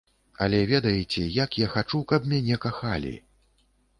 Але ведаеце, як я хачу, каб мяне кахалі?